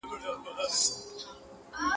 بلا وه، برکت ئې نه و.